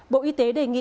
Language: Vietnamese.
bộ y tế đề nghị